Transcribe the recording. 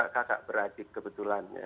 ini dua kakak beradik kebetulan ya